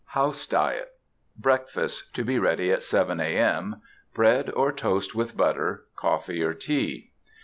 HOUSE DIET. BREAKFAST. To be ready at 7 A. M. Bread (or Toast) with Butter. Coffee or Tea.